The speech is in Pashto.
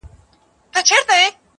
o ښځي ته د زړه حال مه وايه٫